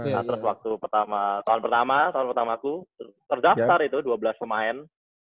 nah terus waktu pertama tahun pertama tahun pertama aku terdaftar itu dua belas pemain